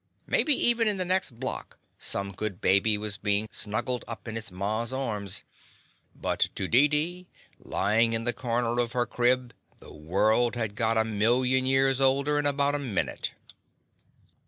Mebby, even in the next block, some The Confessions of a Daddy good baby was bein' snuggled up in its ma's arms; but to Deedee, lyin' in the corner of her crib, the world had got a million years older in about a minute.